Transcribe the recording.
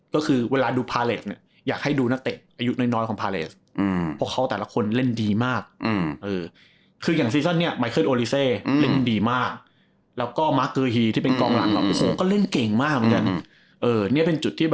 ก็คือเวลาดูพาเลสเนี่ย